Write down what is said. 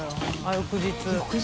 翌日。